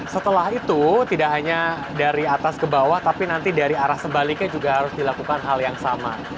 setelah itu tidak hanya dari atas ke bawah tapi nanti dari arah sebaliknya juga harus dilakukan hal yang sama